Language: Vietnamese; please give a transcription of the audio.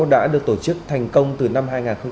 đã được tổ chức thành công từ năm hai nghìn tám